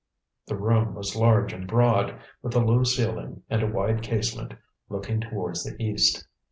The room was large and broad, with a low ceiling, and a wide casement looking towards the east.